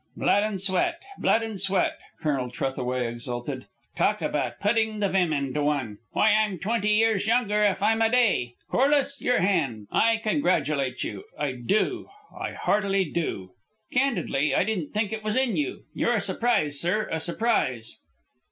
"Blood and sweat! Blood and sweat!" Colonel Trethaway exulted. "Talk about putting the vim into one! Why, I'm twenty years younger if I'm a day! Corliss, your hand. I congratulate you, I do, I heartily do. Candidly, I didn't think it was in you. You're a surprise, sir, a surprise!"